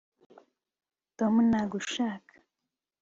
tom ntagushaka